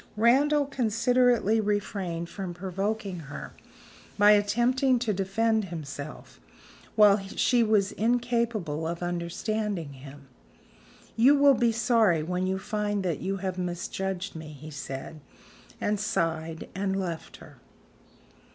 Randal considerately refrained from provoking her by attempting to defend himself, while she was incapable of understanding him. "You will be sorry when you find that you have misjudged me," he said, and sighed, and left her.